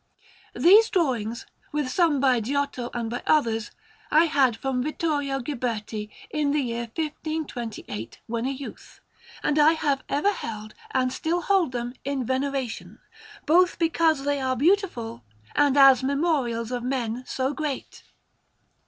These drawings, with some by Giotto and by others, I had from Vittorio Ghiberti in the year 1528, when a youth, and I have ever held and still hold them in veneration, both because they are beautiful and as memorials of men so great.